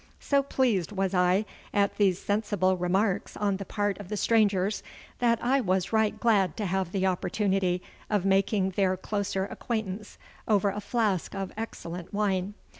So pleased was I at these sensible remarks on the part of the strangers, that I was right glad to have the opportunity of making their closer acquaintance over a flask of excellent wine.